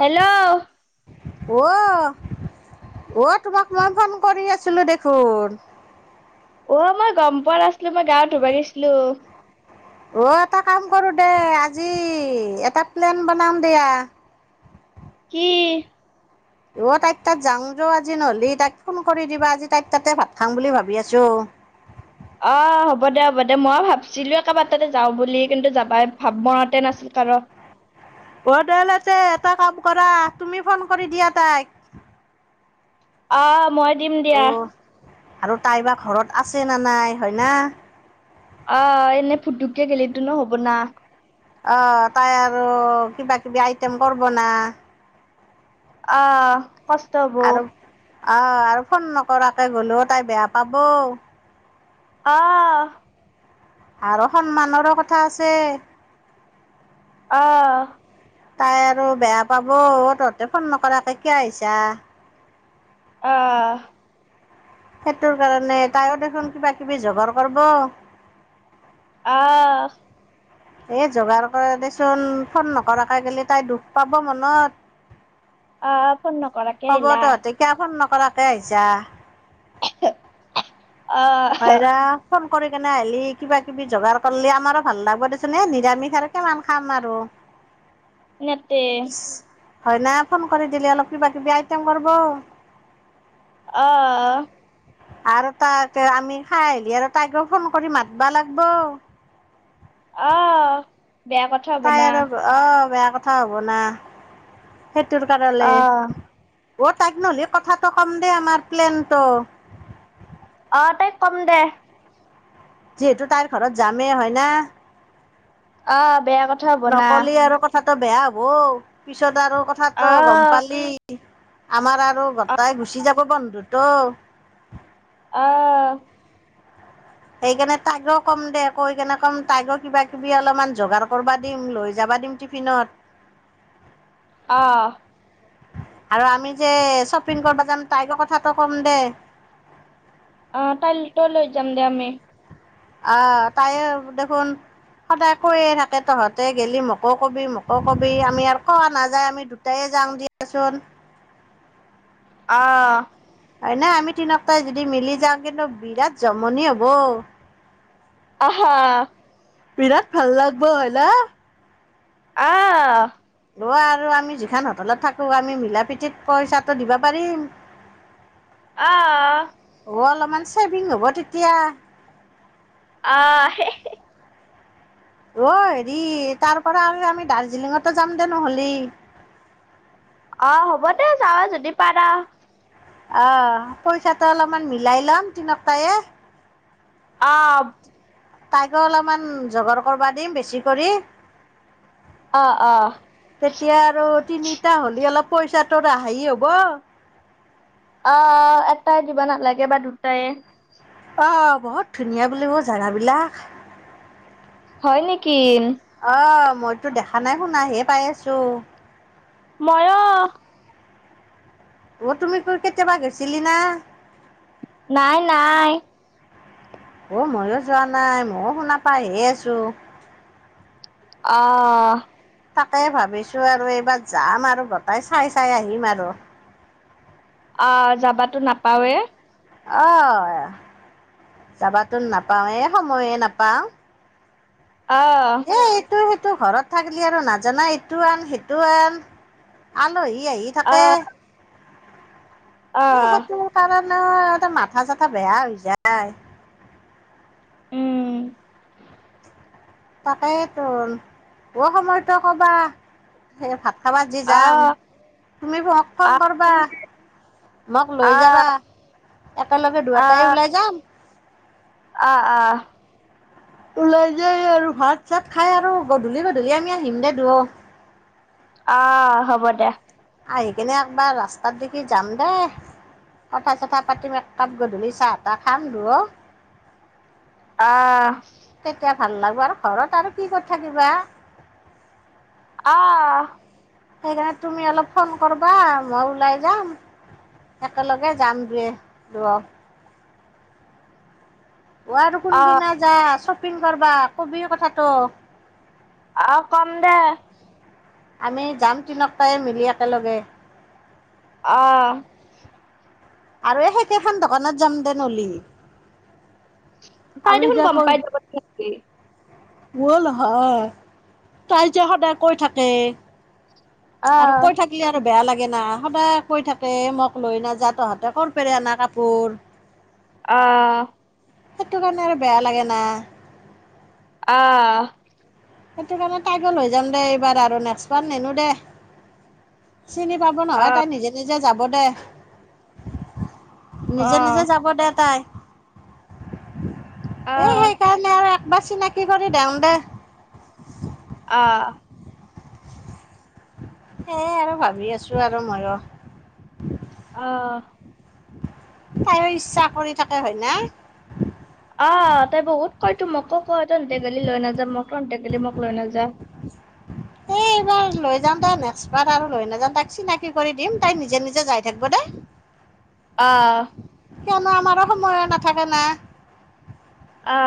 Hello. অ', অ' তোমাক মই ফন কৰি আছিলো দেখোন। অ' মই গম পোৱা নাছলো মই গাঁ ধুবা গেছলো। অ' এটা কাম কৰো দে আজি এটা প্লেন বনাম দিয়া। কি অ তাইত তাত যাওঁ য আজি নহলি তাইক ফোন কৰি দিবা আজি তাই তাতে ভাত খাম বুলি ভাবি আছো অ হ'ব দে হ'ব দে মই ভাবছিলো একেবাৰ তাতে যাওঁ বুলি কিন্তু যাবাই ভাব মনতে নাছিল কাৰ অ দলতে এটা কাম কৰা তুমি ফোন কৰি দিয়া তাইক অ মই দিম দিয়া অ' আৰু তাই বা ঘৰত আছে ন নাই হয় ন আহ এনেই ফুটুকে গলেো নো হ'ব না অ তাই আৰু কিবা কিবি আইটেম কৰব ন আহ কষ্ট্তব আহ আৰু ফোন নকৰাকে গলোও তাই বেয়া পাব। অহ আৰ সন্মানৰো কথা আছে। অহ তাই আৰু বেয়া পাব তহঁতে ফোন নকৰাকে কিয় আহিছা? অহ সেইটোৰ কাৰণে তাইও দেখোন কিবা কিবি জগাৰ কৰ্ব অহ এ যোগাৰ কৰে দেচোন ফোন নকৰাকৈ গেলি তাই দুখ পাব মনত অ ক'ব তহঁতি কিয়া ফোন ন কৰাকে আহিছা? এহে এহ! হয় না? ফোন কৰি কেনে আহিলি কিবা কিবি যোগাৰ কৰলি আমাৰো ভাল লাগব দেচোন এ নিৰামিষ আৰু কিমান খাম আৰু নেতে হয় না? ফোন কৰি দিলে অলপ কিবা কিবি আইটেম কৰ'ব অহ! ! আৰু তা হতে আমি খাই আহিলি আৰু তাইকো ফোন কৰি মাতবা লাগ'ব অহ তাই আৰু অ বেয়া কথা হ'ব না সেইটোৰ কাৰলে অ অ তাইক নহললে কথাটো কম দেই আমাৰ প্লেনটো তাতে কম দে যিহেতু তাইৰ ঘৰত যামেই হয় নে? অ ন'কলি আৰু কথা ত বেয়া হ'ব পিছত আৰু কথাাতো গম আহ পালি আমাৰ আৰ আৰু আহ গোটাই গুচি যাব বন্ধু ত্ব আহ সেইকাৰণে তাইকও কম দে কৈ কেণে কম তাইকও কিবা কিবি অলপমান যোগাৰ কৰ'বা দিম লৈ যাবা দিম টিফিনত। অহ আৰু আমি যে শ্বপিং কৰবা যাম তাইকো কথাটো ক'ম দে আহ তাই তই লৈ যাম দে আমি আহ তাইও দেখোন সদায় কৈয়ে থাকে তহঁতে গেলি মোকো কবি মোকো কবি আমি আৰু কোৱা নাযায় আমি দুটাই যাম দিয়াচোন। অহ হয় না আমি তিনক্তাই যদি মিলি যাওঁ কিন্তু বিৰাট জমনি হ'ব। আহ হা বিৰাট ভাল লাগিব হলা। আ অ আৰু আমি যিখন হোটেলত থাকো আমি মিলা প্ৰীতিৰে পইচাটো দিবা পাৰিম। অ অ। হ'ব অলপমান চেভিঙ হ'ব তেতিয়া। আ হে হে অ হেৰি তাৰ পৰা আৰু আমি দাৰ্জিলিঙতে যাম দে নহ'লি অ হ'ব দে যাৱ যদি পাৰ আহ পইচাটো অলমান মিলাই লম তিনটায়ে সাপ! তাইকো অলপমান জগাৰ কৰবা দিম বেছি কৰি অ অ তেতিয়া আৰু তিনিটা হ'লি অলপ পইচাটোত হেই হ'ব আহ এটাই দিব নালাগে বা দুটাই অ বহুত ধুনীয়া বুলিব জাগাবিলাক হয় নেকি অ! মইতো দেখা নাই শুনা হে পাই আছো ময়ও অ তুমি কেতিয়াবা গৈছিলি না? নাই নাই অ ময়ো যোৱা নাই ময়ও শুনা পাইহে আছো অ তাকে ভাবিছো আৰু এইবাৰ যাম আৰু গোটাই চাই চাই আহিম আৰু অ যাবাতো নাপাওৱে অ যাবাতো নাপাওয়ে সময়ে নাপাওঁ। অহ! অ সেইটো ঘৰত থাকিলি আৰু নাজানা এইটো আন সেইটো আন আলহী। সি আহি থাকে, আহ এ আহ সেইটো কাৰণ, এনও মাথা চাথা বেয়া হৈ যায়। উম তাকেই তোন, অ সময়তো কবা, সে ভাত হ'ব যি যাম, আহ তুমি মক ফোন কৰবা, আহ মক লৈ আহ যাবা, একেলগে দুয়োটাই ওলাই যাম। অ', অ'। ওলাই যায় আৰু, ভাত চাত খাই আৰু গধূলি গধূলি আমি আহিম দে দুয়ো। অ হ'ব দে। আহি কিনে একবাৰ ৰাস্তাত দেখি যাম দেই, কথা চথা পাতিম, এক কাপ গধূলি চাহ তাহ খাম দুয়ো। অ। তেতিয়া ভাল লাগব আৰু ঘৰত আৰু কি কৰি থাকিবা। অ'। সেইকাৰণে তুমি অলপ ফোন কৰবা, মই ওলাই যাম, একেলগে যাম দে দুয়ো। অ' আৰু আহ কোনদিনা যা চ [unintelligible] কৰবা, কবি কথাটো। অ কম দে। আমি যাম তিনকটাই মিলি একেলগে। অ। আৰু এই সেইকখন দোকানত যাম দে ন'লি। তাই দেখোন গম পাই। [unintelligible] ব'ল হয়, তাই যে সদায় কৈ থাকে। আৰু আহ কৈ থাকিলে আৰু বেয়া লাগে ল সদায় কৈ থাকে, মোক লৈ নাযা তহঁতে ক'ৰ পেৰে আনা কাপোৰ। অ। সেইটো কাৰণে আৰু বেয়া লাগে না। অ। সেইটো কাৰণে তাইকো লৈ যাম দে এইবাৰ আৰু, নেক্সট মান নেনো দে। চিনি পাব নহয় তাই নিজে নিজে যাব দে। আহ নিজে আহ নিজে যাব দে তাই। [unintelligible] এ আহ সেইকাৰণে আৰু বা চিনাকি কৰি দেওঁ দে। অ। সেই আৰু ভাবি আছো আৰু মইয়ো। অ। তাইও ইচ্ছা কৰি থাকে হয় না। অ, তাই বহুত কয় তো, মোকো কয়, তহতে গেলি লৈ নাযা, মোক তহতে গি মোক লৈ নাযা। এ এই এইবাৰ লৈ যাওঁ দেই, নেক্সট বাৰ আৰু লৈ নাযাওঁ তাক চিনাকি কৰি দিম, তাই নিজে নিজে যাই থাকিব দেই। অ। কিয়নো আমাৰো সময় নাথাকে না। অ।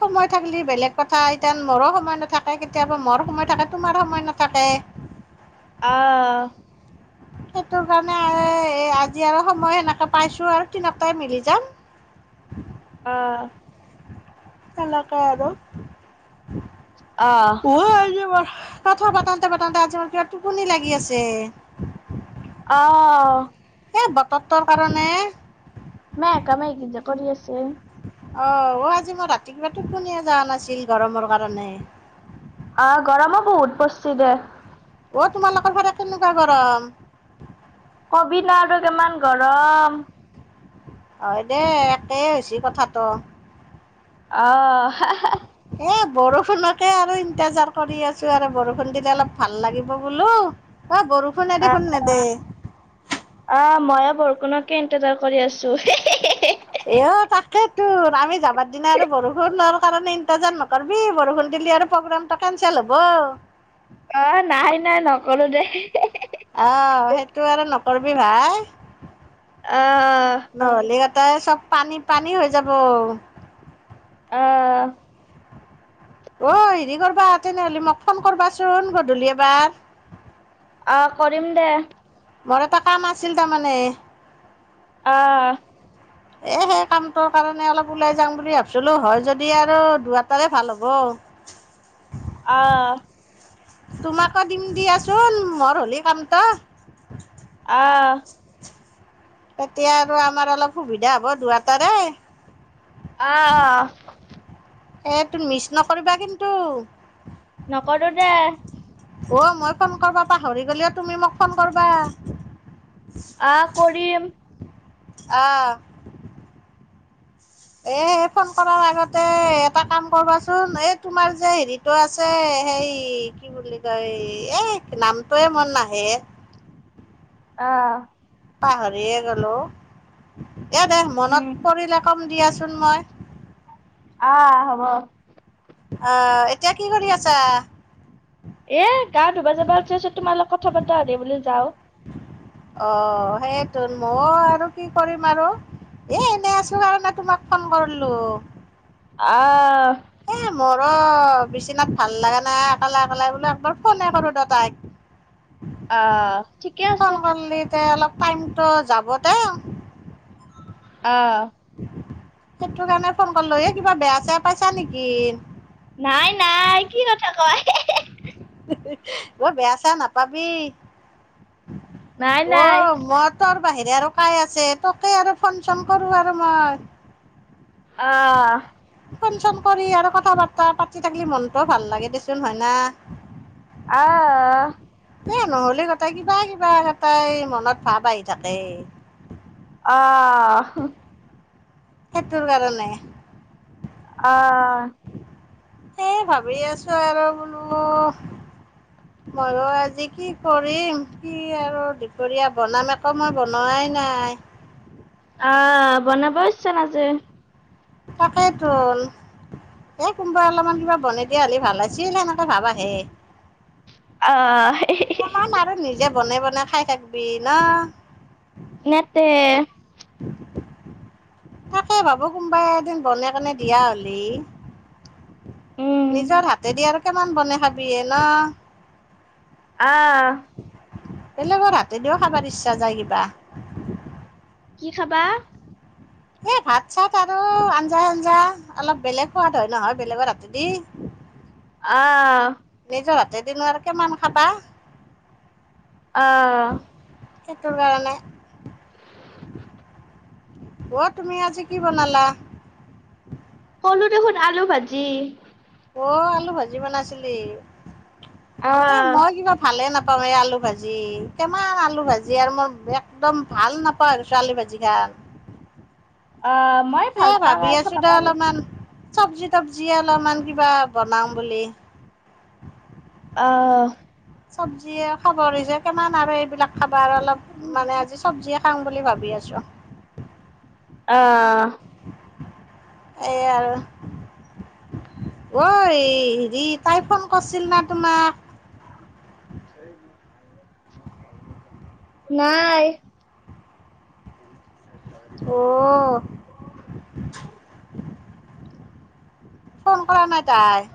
সময় থাকিলি বেলেগ কথা, এতিয়ান মোৰো সময় নাথাকে, কেতিয়াবা মোৰ সময় থাকে তোমাৰ সময় নাথাকে। অ। সেইটো কাৰণে এ আজি আৰু সময় সেনেকে পাইছোঁ আৰু তিনকটাই মিলি যাম। আ তেলকা আৰু উ আহ যে মাৰ কথা পাতাওঁতে-পাতাওঁতে, আজি, মানে, কিবা টোপনি লাগি আছে। আহ এই বতৰটোৰ কাৰণে [unintelligible] কৰি আছো ছে অ', আজি মোৰ ৰাতিপুৱা টোপনিয়ে যোৱা নাছিল, গৰমৰ কাৰণে অ', গৰমো বহুত পৰিছে, দে অ', তোমালোকৰ ফালে কেনেকুৱা গৰম? ক'বি নে? আৰু কিমান গৰম হয়, দেই। একেই হৈছে কথাটো অহ, হা-হা। এ, বৰষুণকেই আৰু ইন্তেজাৰ কৰি আছোঁ। আৰু, বৰষুণ দিলে, অলপ ভাল লাগিব বোলো আ, বৰষুণে আহ দেখোন নেদেখে ষুণকেই ইণ্টেজাৰ কৰি আছো [unintelligible] এ, অ', তাকেই তো। আমি যাবাৰ দিনা, আৰু বৰষুণৰ কাৰণে ইন্তেজাৰ নকৰিবি। বৰষুণ দিলে, আৰু প্ৰগ্ৰামটো কেনচেল হ'ব। অ', নাই, নাই। নক'লো, দে আহ, সেইটো আৰু নকৰিবি, ভাই। আহ তই চব পানী-পানী হৈ যাব আহ অ', হেৰি কৰবা তেনেহ'লে, মোক ফোন কৰবাচোন, গধূলি এবাৰ আহ, কৰিম দে মোৰ এটা কাম আছিল, তাৰমানে আহ এ, সেই কামটোৰ কাৰণে, অলপ ওলাই যাম বুলি ভাবিছিলোঁ। হয় যদি, আৰু দুয়াটাৰে ভাল হ'ব আহ তোমাকো দিম, দিয়াচোন। মোৰ হ'লে, কামটো আহ তেতিয়া, আৰু, আমাৰ অলপ সুবিধা হ'ব, দুয়াটাৰে আহ এ, তোৰ মিছ নকৰিবা, কিন্তু নকৰো দে অ', মই ফোন কৰিব পাহৰি গ'লেও, তুমি মোক ফোন কৰবা আহ, কৰিম আহ এ, ফোন কৰাৰ আগতে, এটা কাম কৰবাচোন। এই, তোমাৰ যে হেৰিটো আছে, সেই, কি বুলি কয়, এই নামটোৱেই মোৰ নাহে আহ পাহৰিয়ে গ'লো এয়া, দে, উম মনত পৰিলে, কম, দিয়াচোন, মই আহ হ'ব আহ, এতিয়া কি কৰি আছা? তোমালগ কথা পাতা, দে বোলো যাওঁ অ', সেইটো মই আৰু কি কৰিম? আৰু, এ, এনে আছোঁ কাৰণে তোমাক ফোন কৰিলোঁ আহ। ৰ বিচনাত ভাল লাগে নাই একালে একালে, বোলো একবাৰ ফোনে কৰো দে তাইক। আ, ঠিকে আছোঁ। এ অলপ টাইমটো যাব দে। আ। সেইটো কাৰণে ফোন কৰিলো, এ কিবা বেয়া চেয়া পাইছা নেকি। নাই নাই কি কথা কয়। অ' বেয়া চে নাপাবি। নাই নাই অ' ম তোৰ বাহিৰে আৰু কাই আছে। তোকে আৰু ফোন চোন কৰো আৰু মই। অ। ফন চন কৰি আৰু কথা বাৰ্তা পাতি থাকিলি মনটো ভাল লাগে দেচোন হয় না। [unintelligible] আহ এ নহ'লে গটাই কিবা কিবা এ গটাই মনত ভাৱ আহি থাকে। অহ। সেইটোৰ কাৰণে। আহ সেই ভাবি আছো আৰু বোলো মইনো আজি কি কৰিম কি আৰু দুপৰীয়া বনাম এক একো মই বনোৱাই নাই অ বনাবও ইচ্ছা নাযায়। তাকেই টোন এ কোনবা অলপমান কিবা বনাই দিয় হ'লে ভাল আ [unintelligible] আহ। নিজে বনাই বনাই খাই থাকবি ন। নেতেই তাকে ভাবো কোমবাই এদিন বনাই কেনে দিয়া হ'লি। উম নিজৰ হাতেদি আৰু কিমান বনাই খাবি হে ন। অহ। বেলেগৰ হাতেদিও খাব ইচ্ছা যায় কিবা। কি খাবা। এ ভাত চাত আৰু আঞ্জা আঞ্জা অলপ বেলেগ সোৱাদ হয় নহয় বেলেগৰ হাতেদি। আহ। নিজৰ হাতে দিনো আৰু কিমান খাবা। আহ। সেটোৰ কাৰণে। অ', তুমি আজি কি বনালা? ক'লো দেখোন আলু ভাজি। অ', আলু ভাজি বনাইছিলি। এ আহ মই কিবা ভালে নাপ কমেই আলু ভাজি কিমান আলু ভাজি আৰু মই একদম ভাল নাপাওঁ আৰু আলু ভাজি খান। অ', মই ভাল পাওঁ পা [unintelligible] চবজি তবজি অলপমান কিবা বনাও বুলি। অ। চবজিয়ে খাবৰ যে, কিমান আৰু এইবিলাক খাবাৰ অলপ মানে আজি চব্জি খাম বুলি ভাবি আছো। আহ। এ আৰু ঐ হেৰিত তাই ফোন কৰিছিল না তোমাক? নাই। অ। ফোন কৰা নাই তাই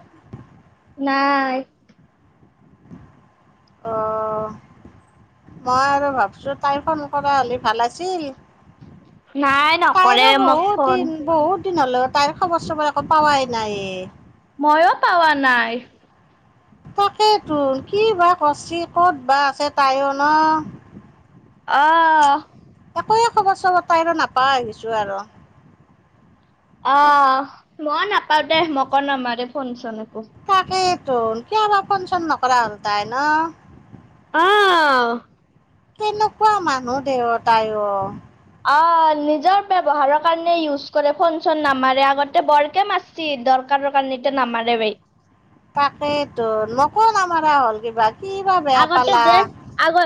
নাই। অ', মই আৰু ভাবছো তাই ফোন কৰা হ'লে ভাল আছিল নাই নকৰে তাইৰো মোক বহুত ফোন দিন বহুত [unintelligible] তাইৰ খবৰ চবৰ একো পাৱাই নাই। ময়ো পাৱা নাই। তাকে তো কি বা কৰছি ক'ত বা আছে তায়ো ন? অহ। একোৱে খবৰ চবৰ তাই আৰু নাপাই আহিছো আৰু অহ। মই নাপাওঁ দে মকো নামাৰে [unintelligible] তাকে [unintelligible] কিয় বা ফোন চোন হ'ল নকৰা তাই ন? আহ কেনেকুৱা মানুহ দে অ', তাই অ। অ', নিজৰ ব্যৱহাৰৰ কাৰণে ইউজ কৰে ফোন চোন নামাৰে আগতে বৰকে মাৰচি দৰকাৰৰ কাৰণে এতিয়া নামাৰে বাই তাকেইতো মকো নামাৰা হ'ল কিবা কিবা বেয়া আগতে পালা। যে আগত